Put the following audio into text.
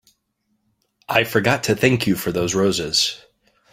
I forgot to thank you for those roses.